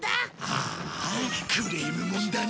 あーあクレームものだな